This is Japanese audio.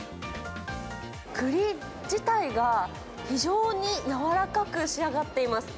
くり自体が非常に柔らかく仕上がっています。